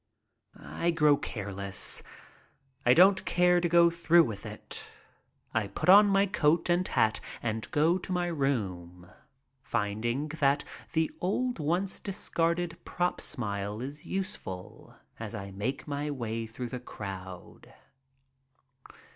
I grow careless. I don't care to go through with it. I put on my coat and hat and go to my room, finding that the old once discarded "prop" smile is useful as I make my way through the crowd.